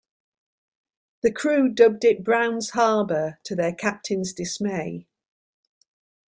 The crew dubbed it "Brown's Harbor" to their captain's dismay.